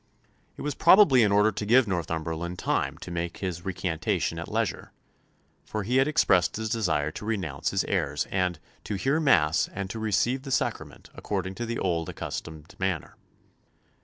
It was probably in order to leave Northumberland time to make his recantation at leisure; for he had expressed his desire to renounce his errors "and to hear Mass and to receive the Sacrament according to the old accustomed manner."